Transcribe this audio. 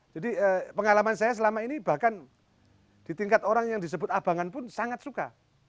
jadi pengalaman saya selama ini bahkan di tingkat orang yang disebut abangan pun sangat suka